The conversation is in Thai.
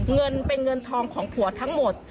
เงินเป็นเงินทองของผัวทั้งหมด